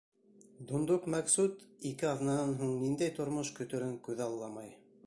Дундук Мәҡсүт ике аҙнанан һуң ниндәй тормош көтөрөн күҙалламай...